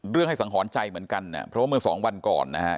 เรื่องให้สังหรณ์ใจเกินภูมิพอแม่นี้๒วันก่อนนะฮะ